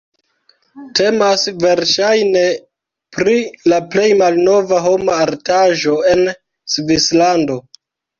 Temas verŝajne pri la plej malnova homa artaĵo en Svislando.